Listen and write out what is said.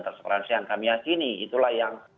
transparansi yang kami yakini itulah yang